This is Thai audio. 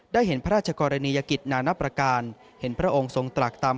เห็นพระราชกรณียกิจนานประการเห็นพระองค์ทรงตรักต่ำ